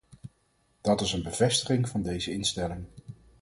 Dat is een bevestiging van deze instelling.